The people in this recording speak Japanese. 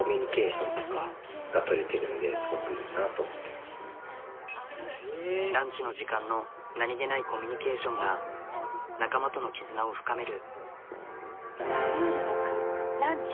そうですねランチの時間の何気ないコミュニケーションが仲間との絆を深める。